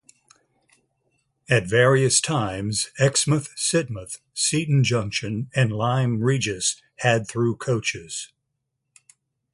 At various times Exmouth, Sidmouth, Seaton Junction and Lyme Regis had through coaches.